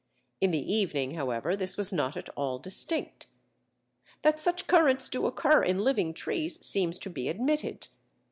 In the evening, however, this was not at all distinct. That such currents do occur in living trees seems to be admitted.